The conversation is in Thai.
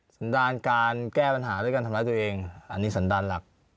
สันดาลการแก้ปัญหาด้วยการทำร้ายตัวเองอันนี้สันดาลหลัก